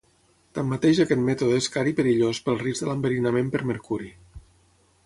Tanmateix aquest mètode és car i perillós pel risc de l'enverinament per mercuri.